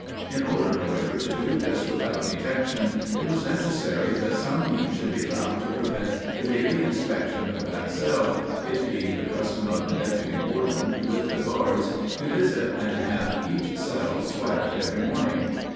In order, however, to do this without detection, it was necessary that some means should be found to prevent the daily inspection of that cell, it being the custom of the deputy warden, with the guards, to visit and have each cell swept every morning.